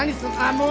もう！